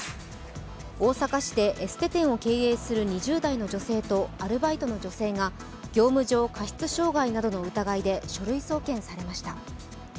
大阪市のエステ店で経営する２０代の女性とアルバイトの女性が業務上過失傷害などの疑いで書類送検されました。